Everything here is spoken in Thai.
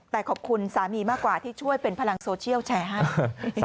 แต่ขอบคุณสามีมากกว่าที่ช่วยเป็นพลังโซเชียลแชร์ให้